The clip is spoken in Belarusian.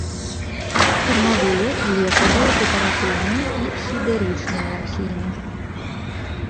Кармавыя, лекавыя, дэкаратыўныя і сідэрычныя расліны.